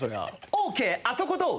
「オーケーあそこどう？